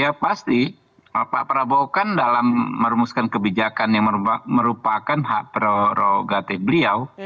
ya pasti pak prabowo kan dalam merumuskan kebijakan yang merupakan hak prorogatif beliau